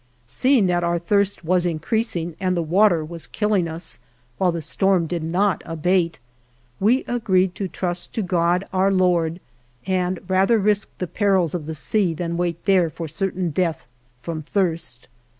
Seeing that our thirst was increasing and the water was killing us, while the storm did not abate, we agreed to trust to God, Our Lord, and rather risk the perils of the sea than wait there for certain death from thirst.